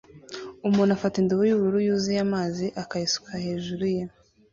Umuntu afata indobo yubururu yuzuye amazi akayisuka hejuru ye